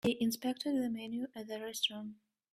They inspected the menu at the restaurant.